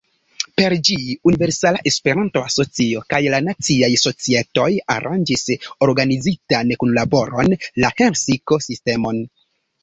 Per ĝi, Universala Esperanto-Asocio kaj la naciaj societoj aranĝis organizitan kunlaboron, la Helsinko-sistemon.